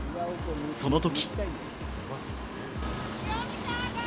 その時。